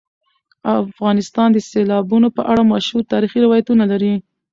افغانستان د سیلابونو په اړه مشهور تاریخی روایتونه لري.